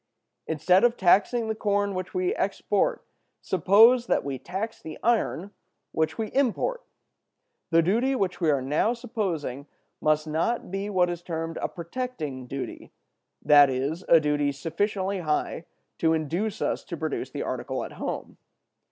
"Instead of taxing the corn which we export, suppose that we tax the iron which we import. The duty which we are now supposing must not be what is termed a protecting duty, that is, a duty sufficiently high to induce us to produce the article at home.